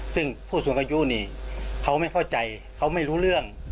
ซึ่งผู้สูงอายุนี่เขาไม่เข้าใจเขาไม่รู้เรื่อง